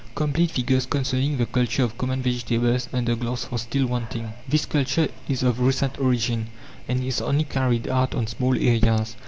Complete figures concerning the culture of common vegetables under glass are still wanting. This culture is of recent origin, and is only carried out on small areas.